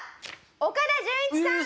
岡田准一さん。